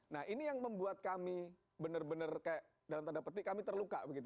nah ini yang membuat kami benar benar kayak dalam tanda petik kami terluka begitu